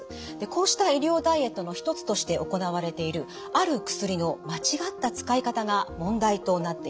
こうした医療ダイエットの一つとして行われているある薬の間違った使い方が問題となっています。